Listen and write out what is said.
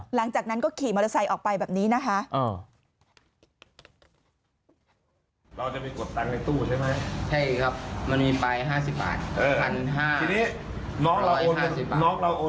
หลังจากนั้นก็ขี่มอเตอร์ไซค์ออกไปแบบนี้นะคะ